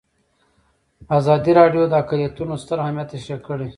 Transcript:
ازادي راډیو د اقلیتونه ستر اهميت تشریح کړی.